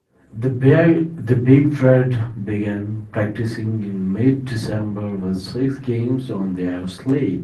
The Big Red began practicing in mid December with six games on their slate.